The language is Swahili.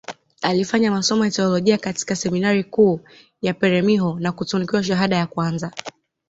Alifanya masomo ya Teolojia katika seminari kuu ya peremiho na kutunukiwa shahada ya kwanza